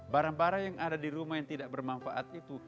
barang barang yang ada di rumah yang tidak bermanfaat itu